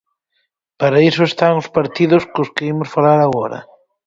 Para iso están os partidos, cos que imos falar agora.